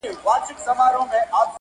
یو یو مسافر راوځي